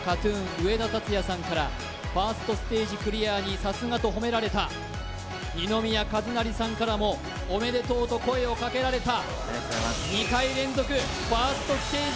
上田竜也さんからファーストステージクリアにさすがと褒められた二宮和也さんからもおめでとうと声をかけられたありがとうございます２回連続ファーストステージ